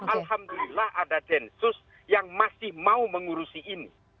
alhamdulillah ada densus yang masih mau mengurusi ini